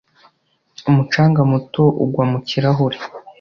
umucanga muto ugwa mu kirahure